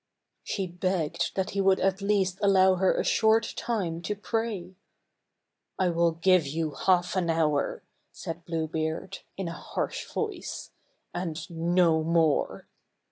She begged that he would at least allow her a short time to pray. " I will give you half an hour," said Blue Beard, in a harsh voice, " and no more."